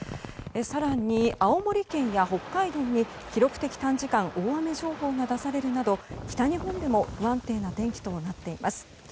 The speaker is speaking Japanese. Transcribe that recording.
更に青森県や北海道に記録的短時間大雨情報が出されるなど北日本でも不安定な天気となっています。